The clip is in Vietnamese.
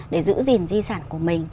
để giữ gìn di sản của mình